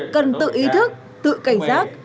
cần tự ý thức tự cảnh giác